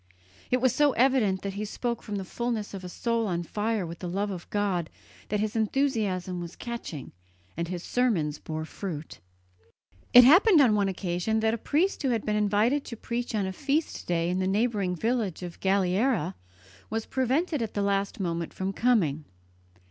It was so evident that he spoke from the fullness of a soul on fire with the love of God that his enthusiasm was catching, and his sermons bore fruit. It happened on one occasion that a priest who had been invited to preach on a feast day in the neighbouring village of Galliera was prevented at the last moment from coming.